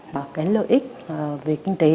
và cái lợi ích về kinh tế